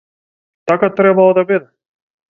Така требало да биде.